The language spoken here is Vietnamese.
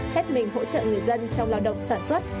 hết mình hỗ trợ người dân trong lao động sản xuất